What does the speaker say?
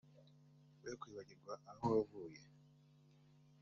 we kwibagirwa aho wavuye